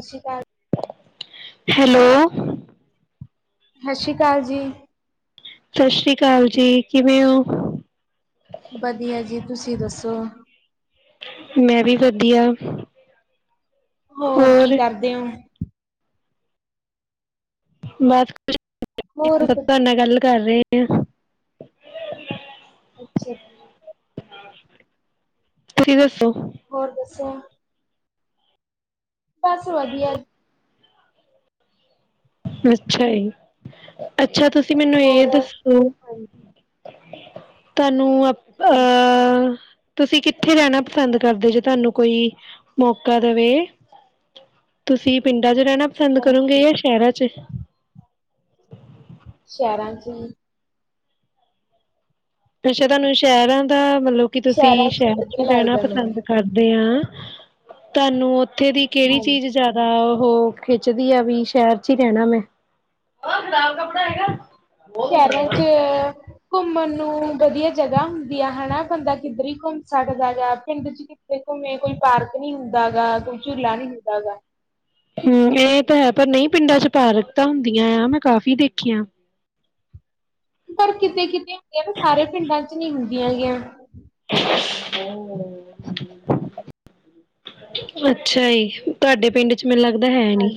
ਸਤਿ ਸ਼੍ਰੀ ਅਕਾਲ। ਹੈਲੋ। ਸਤਿ ਸ੍ਰੀ ਅਕਾਲ ਜੀ। ਸਤਿ ਸ੍ਰੀ ਅਕਾਲ ਜੀ, ਕਿਵੇਂ ਹੋ? ਵਧੀਆ ਜੀ, ਤੁਸੀਂ ਦੱਸੋ? ਮੈਂ ਵੀ ਵਧੀਆ। ਹੋਰ ਕੀ ਕਰਦੇ ਔ? ਬਸ [inaudible] ਹੋਰ ਤੁਹਾਡੇ ਨਾਲ ਗੱਲ। ਟਰ ਰਹੇ ਆ, ਅੱਛਾ ਠੀਕ। ਤੁਸੀਂ ਦੱਸੋ? ਹੋਰ ਦੱਸੋ? ਬਸ ਵਧੀਆ। ਅੱਛਾ ਜੀ, ਅ ਅੱਛਾ ਤੁਸੀਂ ਮੈਨੂੰ ਇਹ ਹੋਰ ਦੱਸੋ, ਹਾਂਜੀ, ਤਾਂ ਨੂੰ ਅ, ਹਾਂਜੀ, ਅਹ ਤੁਸੀਂ ਕਿੱਥੇ ਰਹਿਣਾ ਪਸੰਦ ਕਰਦੇ ਜੇ ਤੁਹਾਨੂੰ ਕੋਈ, ਮੌਕਾ ਦਵੇ ਤੁਸੀਂ ਪਿੰਡ ਪਿੰਡਾਂ 'ਚ ਰਹਿਣਾ ਪਸੰਦ ਹਾਂਜੀ ਕਰੋਗੇ ਜਾਂ ਸ਼ਹਿਰਾਂ 'ਚ? [inaudible] ਸ਼ਹਿਰਾਂ 'ਚ ਅੱਛਾ, ਤੁਹਾਨੂੰ ਸ਼ਹਿਰ ਆ ਤਾਂ ਮਤਲਬ ਕਿ ਤੁਸੀਂ ਸ਼ਹਿਰਾਂ ਸ਼ਹਿਰ 'ਚ ਵਧੀਆ ਰਹਿਣਾ ਲੱਗਦਾ ਮੈਨੂੰ ਪਸੰਦ ਕਰਦੇ ਆਂ? ਤੁਹਾਨੂੰ ੳਥ ਉੱਥੇ ਦੀ ਕਿਹੜੀ ਹਾਂਜੀ। ਚੀਜ਼ ਜਿਆਦਾ ਉਹ? ਉਹ ਖਿੱਚਦੀ ਆ ਵੀ ਸ਼ਹਿਰ 'ਚ ਹੀ ਰਹਿਣਾ ਮੈਂ ਬਹੁਤ ਸ਼ਹਿਰਾਂ ਚ ਘੁੰਮਣ ਨੂੰ ਵਧੀਆ ਜਗ੍ਹਾ ਹੁੰਦੀ ਆ ਹਨਾ, ਬੰਦਾ ਕਿੱਧਰ ਹੀ ਘੁੰਮ ਸਕਦਾ ਗਾ ਪਿੰਡ ਚ ਕਿੱਥੇ ਘੁੰਮੇ ਕੋਈ ਪਾਰਕ ਨਹੀਂ ਹੁੰਦਾ ਗਾ, ਕੋਈ ਝੂਲਾ ਨਹੀਂ ਹੁੰਦਾ ਗਾ। ਹੂ, ਇਹ ਤਾਂ ਹੈ ਪਰ ਨਹੀਂ ਪਿੰਡਾਂ 'ਚ ਪਾਰਕ ਤਾਂ ਹੁੰਦੀਆਂ ਆ, ਮੈਂ ਕਾਫ਼ੀ ਦੇਖੀਆਂ। ਪਰ ਕਿਤੇ-ਕਿਤੇ, ਇਹ ਵੀ ਸਾਰੇ ਪਿੰਡਾਂ 'ਚ ਨੀ ਹੁੰਦੇ। ਗਿਆ [unintelligible] ਅੱਛਾ ਜੀ, ਤੁਹਾਡੇ ਪਿੰਡ 'ਚ ਮੈਨੂੰ ਲੱਗਦਾ ਹੈ ਨੀ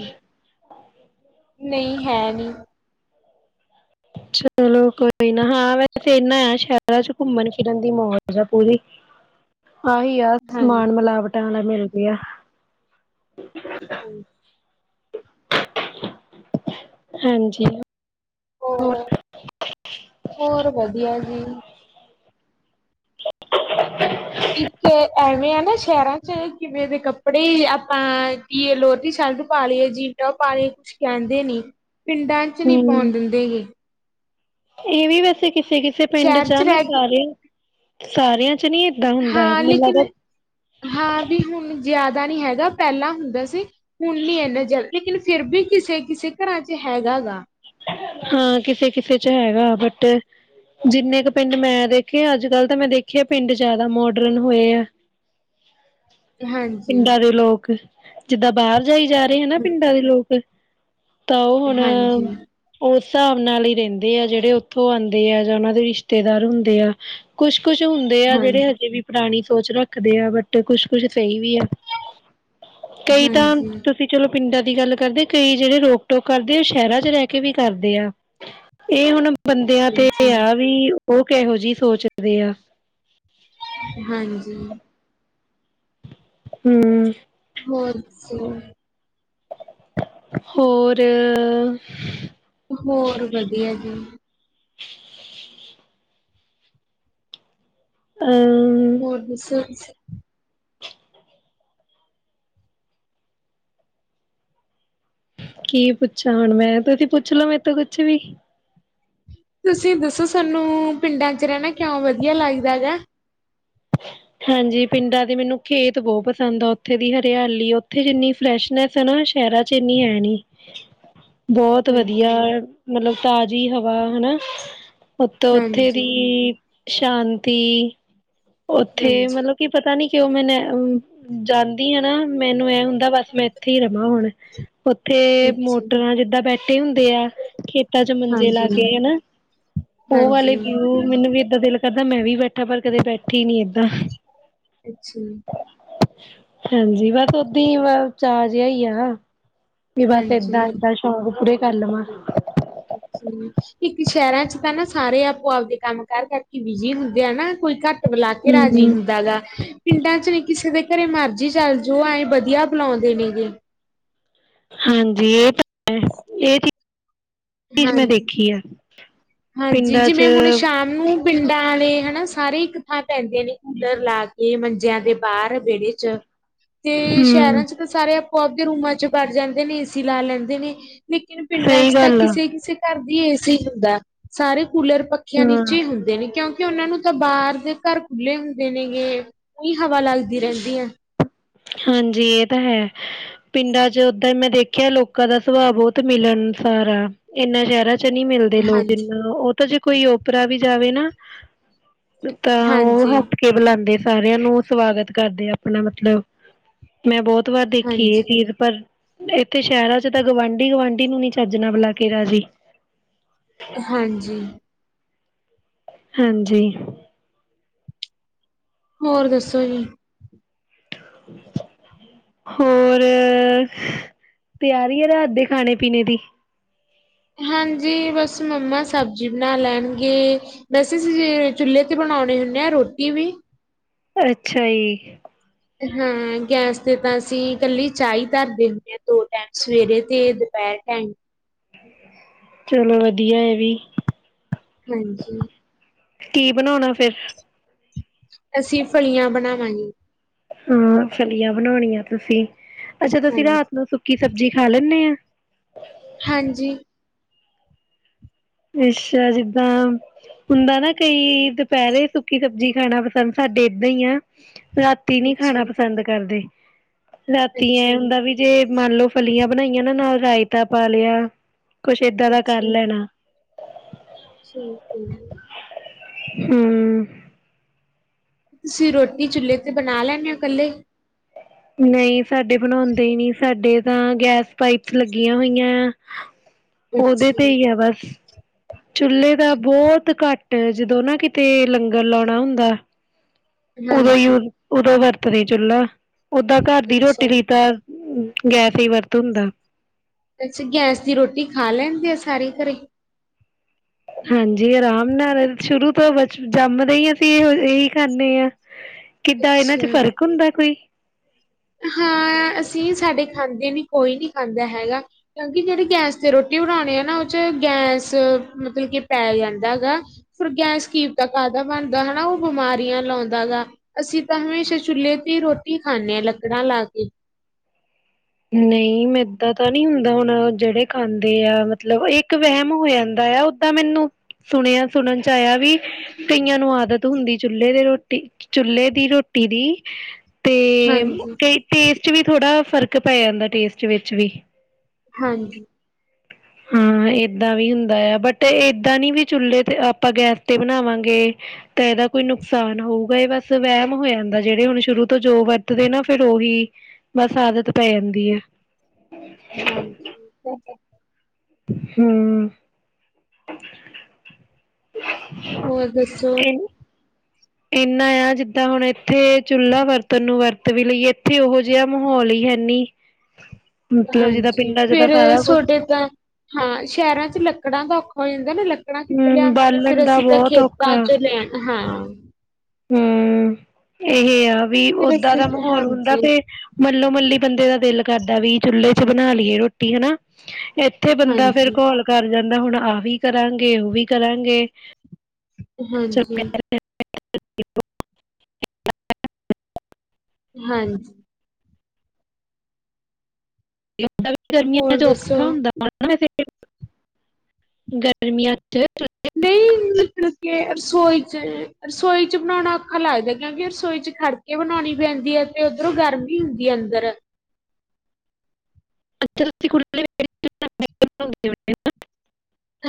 ਨਹੀਂ ਹੈਨੀ ਚਲੋ ਕੋਈ ਨਾ, ਹਾਂ, ਵੈਸੇ ਇਨਾ ਐ ਸ਼ਹਿਰਾਂ 'ਚ ਘੁੰਮਣ-ਫਿਰਨ ਦੀ ਮੌਜ ਆ ਪੂਰੀ। ਆਹੀ ਆ, ਹਾਂਜੀ। ਸਮਾਨ ਮਿਲਾਵਟਾਂ ਨਾਲ ਮਿਲ ਵਧੀਆ ਹਾਂਜੀ। [unintelligible] [inaudible] ਹਾਂਜੀ ਹੋਰ, ਹੋਰ ਵਧੀਆ ਜੀ [inaudible] ਇੱਕ ਐਵੇਂ ਆ ਨਾ ਸ਼ਹਿਰਾਂ 'ਚ ਕਿਵੇਂ ਦੇ ਕੱਪੜੇ, ਆਪਾਂ ਕੀ, ਲੋਅਰ, ਟੀ-ਸ਼ਰਟ ਪਾ ਲਈਏ, ਜੀਨ, ਟੌਪ ਪਾ ਲਈਏ, ਕੁਝ ਕਹਿੰਦੇ ਨੀ? ਪਿੰਡਾਂ 'ਚ ਨੀ ਹਮ ਪਾਉਣ ਦਿੰਦੇ ਗੇ ਇਹ ਵੀ ਵੈਸੇ ਕਿਸੇ ਕਿਸੇ ਪਿੰਡ ਸ਼ਹਿਰ 'ਚ ਆ ਮੈਂ ਰਹਿ ਕੇ ਸਾਰੇ ਸਾਰਿਆਂ ਚ ਨਹੀਂ ਏਦਾਂ ਹੁੰਦਾ ਹਾਂ ਮੇਲਾ ਤਾਂ ਲੇਕਿਨ ਨਹੀਂ ਹੈਗਾ ਪਹਿਲਾਂ ਹੁੰਦਾ ਸੀ ਹੁਣ ਨੀ ਇੰਨਾ ਜਲ ਲੇਕਿਨ ਫਿਰ ਵੀ ਕਿਸੇ ਕਿਸੇ ਘਰਾਂ ਚ ਹੈਗਾ ਗਾ ਹਾਂ ਕਿਸੇ ਕਿਸੇ ਚ ਹੈਗਾ ਬਟ ਜਿੰਨੇ ਕੁ ਪਿੰਡ ਮੈਂ ਦੇਖੇ ਅੱਜ ਕੱਲ ਤਾਂ ਮੈਂ ਦੇਖਿਆ ਪਿੰਡ ਜਿਆਦਾ ਮੋਡਰਨ ਹੋਏ ਆ ਹਾਂਜੀ। ਪਿੰਡਾਂ ਦੇ ਲੋਕ ਜਿੱਦਾਂ ਬਾਹਰ ਜਾਈ ਜਾ ਰਹੇ ਹਨ ਪਿੰਡਾਂ ਦੇ ਲੋਕ ਤਾਂ ਉਹ ਹੁਣ ਹਾਂਜੀ, ਉਸ ਹਿਸਾਬ ਨਾਲ ਹੀ ਰਹਿੰਦੇ ਆ ਜਿਹੜੇ ਉੱਥੋਂ ਆਉਂਦੇ ਆ ਜਾਂ ਉਹਨਾਂ ਦੇ ਰਿਸ਼ਤੇਦਾਰ ਹੁੰਦੇ ਆ ਕੁਛ ਕੁਛ ਹੁੰਦੇ ਆ ਜਿਹੜੇ ਹਾਂਜੀ, ਹਜੇ ਵੀ ਪੁਰਾਣੀ ਸੋਚ ਰੱਖਦੇ ਆ ਬਟ ਕੁਛ ਕੁੱਛ ਕਈ ਵੀ ਹੈ ਕਈ ਤਾਂ ਹਾਂਜੀ, ਤੁਸੀਂ ਚਲੋ ਪਿੰਡਾਂ ਦੀ ਗੱਲ ਕਰਦੇ ਕਈ ਜਿਹੜੇ ਰੋਕ ਟੋਕ ਕਰਦੇ ਉਹ ਸ਼ਹਿਰਾਂ ਚ ਰਹਿ ਕੇ ਵੀ ਕਰਦੇ ਆ ਇਹ ਹੁਣ ਬੰਦਿਆਂ ਤੇ ਇਹ ਹਾਂਜੀ। ਆ ਵੀ ਉਹ ਕਿਹੋ ਜਿਹੀ ਸੋਚਦੇ ਆ ਹਾਂਜੀ ਹਮ ਹੋਰ ਦੱਸੋ ਹੋਰ ਹੋਰ ਵਧੀਆ ਜੀ [inaudible] ਹੋਰ ਦਸੋ ਤੁਸੀਂ ਕੀ ਪੁੱਛਾ ਹੁਣ ਮੈਂ ਤੁਸੀਂ ਪੁੱਛ ਲੋ ਮੇਤੋਂ ਕੁਛ ਵੀ ਤੁਸੀਂ ਦੱਸੋ ਸਾਨੂੰ ਪਿੰਡਾਂ ਚ ਰਹਿਣਾ ਕਿਉਂ ਵਧੀਆ ਲੱਗਦਾ ਹੈ ਹਾਂਜੀ ਪਿੰਡਾਂ ਦੇ ਮੈਨੂੰ ਖੇਤ ਬਹੁਤ ਪਸੰਦ ਆ ਉੱਥੇ ਦੀ ਹਰਿਆਲੀ ਉੱਥੇ ਜਿੰਨੀ ਫਰੈਸ਼ਨੈਸ ਹੈ ਨਾ ਸ਼ਹਿਰਾਂ ਚ ਇੰਨੀ ਹੈ ਨੀ ਬਹੁਤ ਵਧੀਆ ਹਾਂਜੀ। ਮਤਲਬ ਤਾਜ਼ੀ ਹਵਾ ਹਨਾ ਪਤੋ ਉੱਥੇ ਹਾਂਜੀ, ਦੀ ਸ਼ਾਂਤੀ ਉੱਥੇ ਹਾਂਜੀ, ਮਤਲਬ ਕੀ ਪਤਾ ਨੀ ਕਿ ਉਹ ਮੈਨ ਜਾਂਦੀ ਆ ਨਾ ਮੈਨੂੰ ਇਹ ਬਸ ਮੈਂ ਇੱਥੇ ਹੀ ਰਵਾਂ ਹੁਣ ਉੱਥੇ ਅੱਛਾ, ਮੋਟਰਾਂ ਜਿੱਦਾਂ ਬੈਠ ਹੁੰਦੇ ਆ ਖੇਤਾਂ ਚ ਮੰਜੇ ਲਾ ਹਾਂਜੀ। ਕੇ ਹਨਾ ਉਹ ਵਾਲੇ ਹਾਂਜੀ, ਵੀਊ ਮੈਨੂੰ ਵੀ ਏਦਾਂ ਦਿਲ ਕਰਦਾ ਮੈਂ ਵੀ ਬੈਠਾ ਪਰ ਕਦੇ ਬੈਠੇ ਬੈਠੀ ਨੀ ਆ ਅੱਛਾ ਹਾਂਜੀ ਬਸ ਉਦਾਂ ਚਾ ਜਿਹਾ ਹੀ ਆ ਵੀ ਬਸ ਏਦਾਂ- ਹਾਂਜੀ। ਏਦਾਂ ਸ਼ੌਕ ਪੂਰੇ- ਕਰ ਲਾਵਾਂ। ਅੱਛਾ- ਇੱਕ ਸ਼ਹਿਰਾਂ 'ਚ ਤਾਂ ਨਾ ਸਾਰੇ ਆਪੋ ਆਪਦੇ ਕੰਮ ਕਾਰ ਕਰਕੇ ਬਿਜੀ ਹੁੰਦੇ ਆ ਨਾ। ਕੋਈ ਘੱਟ- ਬੁਲਾ ਕੇ ਹਮ ਰਾਜੀ ਹਮ ਹੁੰਦਾ ਗਾ। ਪਿੰਡਾਂ 'ਚ ਵੁ ਕਿਸੇ ਦੇ ਘਰੇ ਮਰਜ਼ੀ ਚੱਲ ਜਾਓ ਆਏਂ ਵਧੀਆ ਬਲਾਉਂਦੇ ਦੇ ਨੇਗੇ। ਹਾਂਜੀ ਇਹ ਤਾਂ ਹੈ। ਇਹ ਕੀ- ਹਾਂਜੀ -ਹਾਂਜੀ ਪਿੰਡਾਂ ਚ ਜਿਵੇਂ ਹੁਣ ਸ਼ਾਮ ਨੂੰ- ਪਿੰਡਾਂ ਅਲੇ ਹਨਾ ਸਾਰੇ ਈ ਇੱਕ ਥਾਂ ਪੈਂਦੇ ਨੇ। ਕੁੱਲਰ ਲਾ ਕੇ ਮੰਜਿਆਂ ਦੇ ਬਾਹਰ ਵਿਹੜੇ' ਚ। ਤੇ ਹਮ ਸ਼ਹਿਰਾਂ 'ਚ ਤਾਂ ਸਾਰੇ- ਉਹ ਆਪ ਦੇ ਰੂਮਾਂ 'ਚ ਵੜਜਾਂਦੇ ਨੇ ਏਸੀ ਲਾ ਲੈਂਦੇ ਨੇ। ਲੇਕਿਨ ਪਿੰਡਾਂ ਸਹੀ 'ਚ ਤਾਂ- ਗੱਲ ਆ ਘਰ ਦੀ ਏ ਸੀ ਹੀ ਹੁੰਦਾ। ਸਾਰੇ- ਕੁੱਲਰ, ਪੱਖਿਆਂ ਹਾਂ ਨੀਚੇ ਹੁੰਦੇ ਨੇ। ਕਿਉਂਕਿ ਉਨਾਂ ਨੂੰ ਤਾਂ ਬਾਹਰ ਦੇ ਘਰ ਖੁੱਲ੍ਹੇ ਹੁੰਦੇ ਨੇਗੇ। ਕੋਈ ਹਵਾ ਲੱਗਦੀ ਰਹਿੰਦੀ ਐ। ਹਾਂਜੀ -ਇਹ ਤਾਂ ਹੈ ਪਿੰਡਾਂ 'ਚ ਓਦਾਂ ਮੈਂ ਦੇਖਿਆ ਲੋਕਾਂ ਦਾ ਸੁਭਾਅ ਬਹੁਤ ਮਿਲਣਸਾਰ ਆ। ਇਹਨਾਂ ਸ਼ਹਿਰਾਂ ਚ- ਚ ਨਹੀਂ ਮਿਲਦੇ ਲੋਕ ਹਾਂਜੀ ਇਨਾ। ਕਦੇ ਕੋਈ ਓਪਰਾ ਵੀ ਜਾਵੇ ਨਾ- ਤਾਂ ਉਹ ਹਾਂਜੀ ਹੱਸ ਕੇ ਬੁਲਾਂਦੇ। ਸਾਰਿਆਂ ਨੂੰ ਸਵਾਗਤ ਕਰਦੇ ਆਪਣਾ ਮਤਲਬ- ਮੈਂ ਬਹੁਤ ਵਾਰ ਦੇਖੀ ਹਾਂਜੀ ਇਹ ਚੀਜ਼ ਪਰ- ਇੱਥੇ ਸ਼ਹਿਰਾਂ 'ਚ ਤਾਂ ਗਵਾਂਢੀ ਗਵਾਂਢੀ ਨੂੰ ਨੀ ਚੱਜਣਾ ਬਲਾ ਕੇ ਰਾਜੀ। ਹਾਂਜੀ ਹਾਂਜੀ ਹੋਰ ਦੱਸੋ ਜੀ ਹੋਰ- ਤਿਆਰੀ ਐ ਰਾਤ ਦੇ ਖਾਣੇ ਪੀਣੇ ਦੀ। ਹਾਂਜੀ ਬਸ ਮੰਮਾ ਸਬਜ਼ੀ ਬਣਾ ਲੈਣਗੇ। ਵੈਸੇ ਅਸੀ ਜੇ ਚੁੱਲੇ ਤੇ ਬਣਾਉਣੇ ਹੁੰਨੇ ਆ ਰੋਟੀ ਵੀ। ਅੱਛਾ ਈ। ਹਾਂ ਗੈਸ ਤੇ ਤਾਂ ਅਸੀਂ ਇਕੱਲੀ ਚਾ ਈ ਧਰਦੇ ਹੁੰਦੇ ਆਂ ਦੋ ਟੈਮ ਸਵੇਰੇ ਤੇ ਦੁਪਹਿਰ ਟੈਮ। ਚਲੋ ਵਧੀਆ ਏ ਵੀ। ਹਾਂਜੀ ਕੀ ਬਣਾਉਣਾ ਫੇਰ। ਅਸੀਂ ਫਲੀਆਂ ਬਣਾਵਾਂਗੇ। ਹਾਂ -ਫਲੀਆਂ ਬਣਾਉਣੀਆਂ ਤੁਸੀਂ। ਅੱਛਾ ਤੁਸੀ ਹਾਂਜੀ ਰਾਤ ਨੂੰ ਸੁੱਕੀ ਸਬਜ਼ੀ ਖਾ ਲੈਂਨੇ ਆਂ। ਹਾਂਜੀ ਅੱਛਾ ਜਿੱਦਾਂ ਹੁੰਦਾ ਨਾ ਕਈ- ਦੁਪਇਰੇ ਸੁੱਕੀ ਸਬਜੀ ਖਾਣਾ ਪਸੰਦ ਸਾਡੇ ਏਦਾਂ ਈ ਆ। ਰਾਤੀ ਨੀ ਅੱਛਾ ਖਾਣਾ ਜੀ ਪਸੰਦ ਕਰਦੇ ਰਾਤੀ ਅੱਛਾ ਐਏ ਜੀ ਹੁੰਦਾ ਵੀ ਜੇ ਮੰਨ ਲੋਓ ਫਲੀਆਂ ਬਣਾਈਆਂ ਨਾ ਨਾਲ ਰਾਇਤਾ ਪਾ ਲਿਆ ਕੁਛ ਏਦਾਂ ਦਾ ਕਰ ਅੱਛਾ ਜੀ ਲੈਣਾ [inaudible] ਹਮ ਤੁਸੀਂ ਰੋਟੀ ਚੁੱਲ੍ਹੇ ਤੇ ਬਣਾ ਲੈਂਦੇ ਹੋ ਇਕੱਲੇ ਨਹੀਂ ਸਾਡੇ ਬਣਾਉਂਦੇ ਹੀ ਨਹੀਂੀ ਸਾਡੇ ਤਾਂ ਗੈਸ ਪਾਈਪ ਲੱਗੀਆਂ ਹੋਈਆਂ ਆ ਉਹਦੇ ਅੱਛਾ ਤੇ ਹੀ ਆ ਬਸ ਚੁੱਲੇ ਦਾ ਜੀ ਬਹੁਤ ਘੱਟ ਜਦੋਂ ਨਾ ਕਿਤੇ ਲੰਗਰ ਲਾਉਣਾ ਹੁੰਦਾ ਹਾਂਜੀ ਉਦੋਯੂਰ ਉਦੋਗਰ ਤ ਨਹੀਂ ਚੁੱਲ ਓਦਾਂ ਘਰ ਦੀ ਰੋਟੀ ਅੱਛਾ ਜੀ। ਲਈ ਤ ਗੈਸ ਹੀ ਵਰਤ ਹੁੰਦਾ ਅੱਸੀਂ ਗੈਸ ਦੀ ਰੋਟੀ ਖਾ ਲੈਣਦੇ ਆ ਸਾਰੇ ਘਰੇ ਹਾਂਜੀ ਆਰਾਮ ਨਾਲ ਸ਼ੁਰੂ ਤੋਂ ਬ ਜੰਮਦੇ ਹੀ ਅਸੀਂ ਇਹ ਇਹੀ ਖਾਂਦੇੇ ਹਾਂ ਕਿੱਦਾਂ ਇਹਨਾਂ ਚ ਅੱਛਾ ਫ਼ਰਕ ਹੁੰਦਾ ਕੋਈ ਹਾਂ ਅਸੀਂ ਸਾਡੇ ਖਾਂਦੇ ਨੀ ਕੋਈ ਨੀ ਖਾਂਦਾ ਹੈਗਾ ਕਿਉਂਕਿ ਜਿਹੜੀ ਗੈਸ ਤੇ ਰੋਟੀ ਬਣਾਉਣੀ ਆ ਨਾ ਉਹ ਚ ਗੈਸ ਮਤਲਬ ਕੇ ਪੈ ਜਾਂਦਾਗਾ ਫਿਰ ਗੈਸ ਕੀ ਪਤਾ ਕਾਹਦਾ ਬਣਦਾ ਹਨਾ ਉਹ ਬਿਮਾਰੀਆਂ ਲਾਉਂਦਾ ਹੈਗਾ ਅਸੀਂ ਤਾਂ ਹਮੇਸ਼ਾ ਚੁੱਲ੍ਹੇ ਤੇ ਰੋਟੀ ਖਾਣੇ ਹਾਂ ਲੱ ਕੜਾ ਲਾ ਕੇ ਨਹੀਂ ਏਦਾਂ ਤਾਂ ਨਹੀਂ ਹੁੰਦਾ ਹੁਣ ਜਿਹੜੇ ਖਾਂਦੇ ਆ ਮਤਲਬ ਇੱਕ ਵਹਿਮ ਹੋ ਜਾਂਦਾ ਆ ਓਦਾਂ ਮੈਨੂੰ ਸੁਣਿਆ ਸੁਣਨ ਚ ਆਇਆ ਵੀ ਕਈਆਂ ਨੂੰ ਆਦਤ ਹੁੰਦੀ ਚੁੱਲ੍ਹੇ ਦੀ ਰੋਟੀ ਚੁੱਲ੍ਹੇ ਦੀ ਰੋਟੀ ਦੀ ਤੇ ਹਾਂਜੀ, ਕਈ ਟੇਸਟ ਵੀ ਥੋੜ੍ਹਾ ਪੈ ਜਾਂਦਾ ਟੇਸਟ ਵਿੱਚ ਵੀ ਹਾਂਜੀ ਹਾਂ ਏਦਾਂ ਵੀ ਹੁੰਦਾ ਆ ਬਟ ਏਦਾਂ ਨੀ ਵੀ ਚੁੱਲੇ ਤੇ ਆਪਾਂ ਗੈਸ ਤੇ ਬਣਾਵਾਂਗੇ ਤਾਂ ਇਹਦਾ ਕੋਈ ਨੁਕਸਾਨ ਹੋਊਗਾ ਇਹ ਬਸ ਵਹਿਮ ਹੋ ਜਾਂਦਾ ਜਿਹੜੇ ਹੁਣ ਸ਼ੁਰੂ ਤੋਂ ਜੋ ਵਰਤਦੇ ਨਾ ਫਿਰ ਉਹੀ ਬਸ ਆਦਤ ਪੈ ਜਾਂਦੀ ਆ ਹਾਂਜੀ ਤੇ ਹੂੰ ਹੋਰ ਦੱਸੋ ਇੰਨਾ ਆ ਜਿੱਦਾਂ ਹੁਣ ਇਥੇ ਚੁੱਲ੍ਹਾ ਵਰਤਣ ਨੂੰ ਵਰਤ ਵੀ ਲਈਏ ਇੱਥੇ ਉਹੋ ਜਿਹਾ ਮਾਹੌਲ ਹੀ ਹੈਨੀ ਮਤਲਬ ਜਿੱਦਾਂ ਹਾਂਜੀ ਪਿੰਡਾਂ ਚ ਤਾਂ ਫਿਰ ਸਾਰਾ ਕੁਛ ਤੁਹਾਡੇ ਤਾਂ ਹਾਂ ਸ਼ਹਿਰਾਂ ਚ ਲੱਕੜਾਂ ਦਾ ਔਖਾ ਹੋ ਜਾਂਦਾ ਨਾ ਲੱ ਚੱਕਣਾ ਕਿਤੇ ਹੂੰ ਲਿਆਵਾਂਗੇ ਬਾਲਣ ਫੇਰ ਦਾ ਅਸੀਂ ਤਾਂ ਬਹੁਤ ਖੇਤਾਂ ਔਖਾ ਚ ਲੈਣਾ ਹਾਂ ਹੂੰ ਇਹ ਆ ਵੀ ਫਿਰ ਓਦਾਂ ਦਾ ਅਸੀਂ ਮਾਹੌਲ ਹੁੰਦਾ ਹਾਂਜੀ ਫੇ ਮੱਲੋ-ਮੱਲੀ ਬੰਦੇ ਦਾ ਦਿਲ ਕਰਦਾ ਵੀ ਚੁੱਲ੍ਹੇ ਚ ਬਣਾ ਲਈਏ ਰੋਟੀ ਹਨਾ। ਇੱਥੇ ਬੰਦਾ ਫੇਰ ਹਾਂਜੀ, ਘੋਲ ਕਰ ਜਾ ਮੈਂ ਹੁਣ ਆ ਵੀ ਕਰਾਂ ਉਹ ਵੀ ਕਰਾਂਗੇ। ਚਲੋ ਹਾਂਜੀ। [inaudible] ਹਾਂਜੀ। [inaudible] ਗਰਮੀਆਂ ਹੋਰ ਚ ਦੱਸੋ? ਔਖਾ ਹੁੰਦਾ ਹਨਾ ਫਿਰ ਗਰਮੀਆਂ ਚ ਨਹੀਂ ਮਤਲਬ ਕੇ ਰਸੋਈ ਚ ਰਸੋਈ ਚ ਬਣਾਉਣਾ ਔਖਾ ਲੱਗਦਾ ਕਿਉਂਕਿ ਰਸੋਈ ਚ ਖੜ ਕੇ ਬਣਾਉਣੀ ਪੈਂਦੀ ਹੈ ਤੇ ਉੱਧਰੋਂ ਗਰਮੀ ਹੁੰਦੀ ਹੈ ਅੰਦਰ। ਅੱਛਾ [inaudible]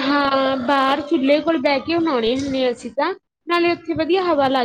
ਹਾਂ ਬਾਹਰ ਚੁੱਲੇ ਕੋਲ ਬੈ ਹੋਣੇ ਅਸੀਂ ਤਾਂ ਨਾਲੇ ਇੱਥੇ ਵਧੀਆ ਹਵਾ ਲਾ